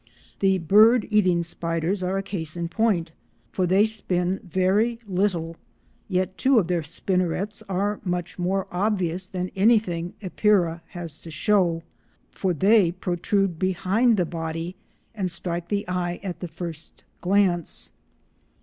The "bird eating" spiders are a case in point, for they spin very little, yet two of their spinnerets are much more obvious than anything Epeira has to show, for they protrude behind the body and strike the eye at the first glance.